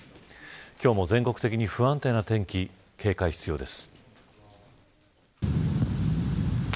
今日も全国的に不安定な天気に警戒が必要です。